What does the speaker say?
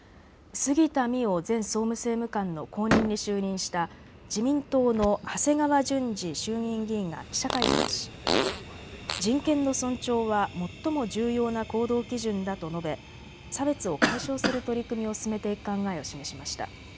杉田水脈前総務政務官の後任に就任した自民党の長谷川淳二衆議院議員が記者会見し人権の尊重は最も重要な行動基準だと述べ差別を解消する取り組みを進めていく考えを示しました。